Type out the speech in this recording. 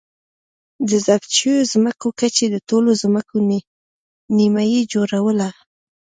د ضبط شویو ځمکو کچې د ټولو ځمکو نییمه جوړوله